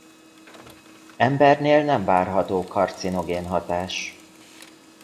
Embernél nem várható karcinogén hatás.